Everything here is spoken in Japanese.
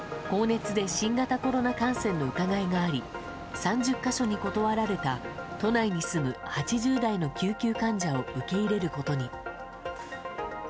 高熱で新型コロナ感染の疑いがあり、３０か所に断られた都内に住む８０代の救急患者を受け入れることに。